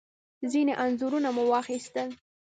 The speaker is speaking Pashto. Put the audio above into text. ځینې انځورونه مو واخیستل.